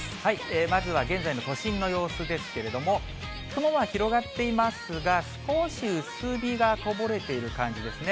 まずは現在の都心の様子ですけれども、雲は広がっていますが、少し薄日がこぼれている感じですね。